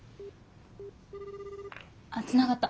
あっつながった。